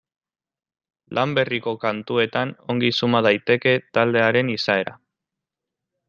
Lan berriko kantuetan ongi suma daiteke taldearen izaera.